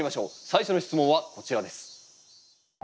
最初の質問はこちらです。